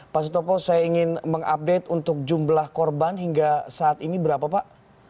pak sutopo saya ingin mengupdate untuk jumlah korban hingga saat ini berapa pak